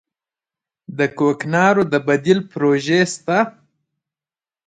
د کوکنارو د بدیل پروژې شته؟